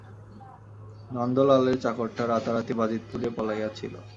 নন্দলালের চাকরটা রাতারাতি বাজিতপুরে পলাইয়াছিল।